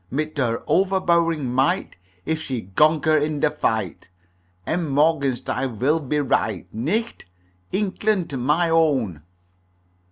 Mit her overbowering might If she gonquer in der fight, M. Morgenstein vill be all right Nicht? Inklant, my own!